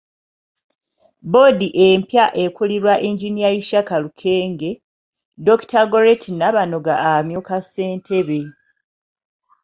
Boodi empya ekulirwa Engineer Ishak Lukenge, Dr. Gorette Nabanoga amyuka Ssentebe.